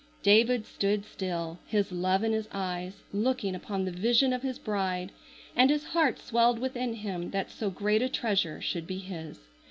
David stood still, his love in his eyes, looking upon the vision of his bride, and his heart swelled within him that so great a treasure should be his.